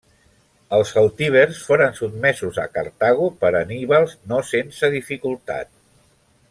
Els celtibers foren sotmesos a Cartago per Anníbal no sense dificultat.